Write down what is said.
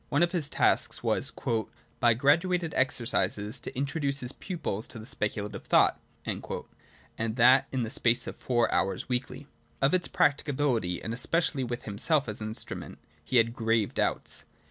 One of his tasks was ' by graduated exercises "to introduce his pupils to speculative thought,' — and that in the space of four hours weekly' Of its practicability — and especially with himself as instru ment — he had grave doubts.